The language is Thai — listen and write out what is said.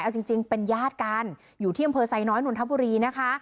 เอาจริงเป็นญาติกันอยู่ที่อำเภอไซน้อยนนทบุรีนะคะ